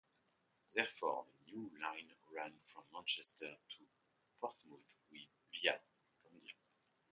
Therefore, the new line ran from Manchester to Portsmouth via Candia.